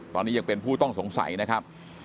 ตอนนี้ยังเป็นผู้ต้องสงสัยนะครับ